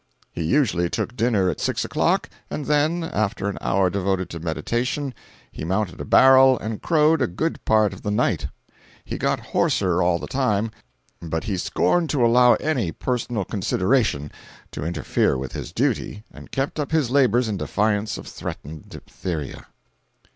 He usually took dinner at six o'clock, and then, after an hour devoted to meditation, he mounted a barrel and crowed a good part of the night. He got hoarser and hoarser all the time, but he scorned to allow any personal consideration to interfere with his duty, and kept up his labors in defiance of threatened diphtheria.